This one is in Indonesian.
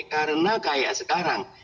karena kayak sekarang